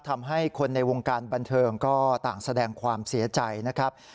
ทำให้คนในวงการบันเทิงก็ต่างแสดงความเสียใจนะครับ